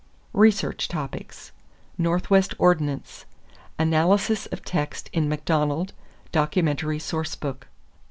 =Research Topics= =Northwest Ordinance.= Analysis of text in Macdonald, Documentary Source Book.